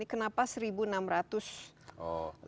kenapa seribu enam ratus orang